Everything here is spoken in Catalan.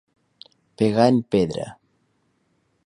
Pegar en pedra.